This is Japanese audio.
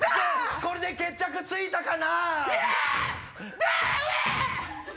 これで決着ついたかな？